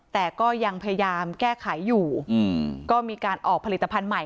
แต่ก็ยังพยายามแก้ไขอยู่ก็มีการออกผลิตภัณฑ์ใหม่